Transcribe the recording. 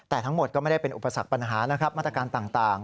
แต่ทั้งหมดก็ไม่ได้เป็นอุปสรรคปัญหานะครับมาตรการต่าง